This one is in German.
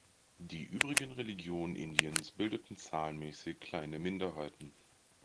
Die übrigen Religionen Indiens bildeten zahlenmäßig kleine Minderheiten.